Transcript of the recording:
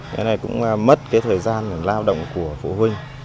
thế này cũng mất thời gian làm lao động của phụ huynh